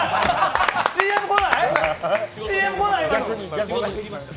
ＣＭ来ない！？